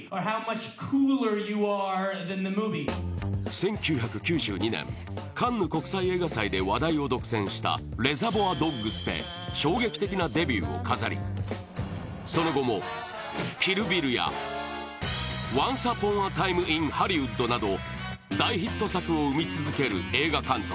１９９２年、カンヌ国際映画祭で話題を独占した「レザボア・ドッグス」で衝撃的なデビューを飾り、その後も「キル・ビル」や「ワンス・アポン・ア・タイム・イン・ハリウッド」など大ヒット作を生み続ける映画監督